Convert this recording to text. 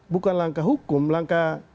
bukan langkah hukum langkah